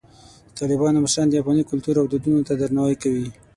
د طالبانو مشران د افغاني کلتور او دودونو ته درناوی کوي.